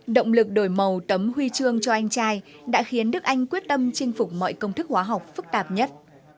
động lực đổi màu tấm huy chương cho anh trai đã khiến đức anh quyết tâm chinh phục mọi công thức hóa học phức tạp nhất